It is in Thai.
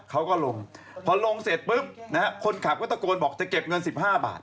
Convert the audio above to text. เขาก็ลงพอลงเสร็จปุ๊บนะฮะคนขับก็ตะโกนบอกจะเก็บเงิน๑๕บาท